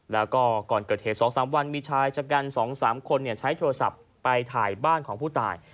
แล้วก็ก่อนเกิดเหตุ๒๓วันมีชายชะกัน๒๓คนใช้โทรศัพท์ไปถ่ายบ้านของผู้ตาย